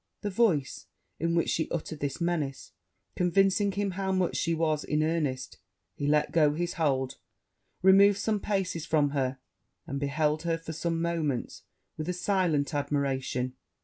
The voice in which she uttered this menace convincing him how much she was in earnest, he let go his hold, removed some paces from her, and beheld her for some moments with a silent admiration.